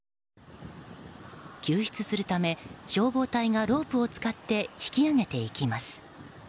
救出するため消防隊がロープを使って引き上げていきます。